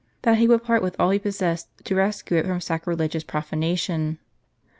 that he would part with all he possessed to rescue it from sacrilegious profanation.